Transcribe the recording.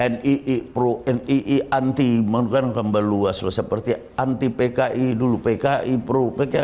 nii pro nii anti maknukan gambar luas loh seperti anti pki dulu pki pro pki anti